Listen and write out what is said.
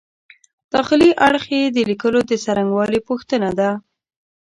داخلي اړخ یې د لیکلو د څرنګوالي پوښتنه ده.